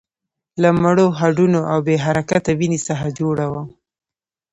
له مړو هډونو او بې حرکته وينې څخه جوړه وه.